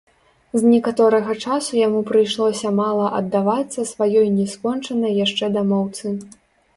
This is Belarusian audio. З некаторага часу яму прыйшлося мала аддавацца сваёй не скончанай яшчэ дамоўцы.